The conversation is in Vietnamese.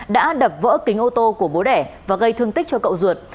đã đập vỡ kính ô tô của bố đẻ và gây thương tích cho cậu ruột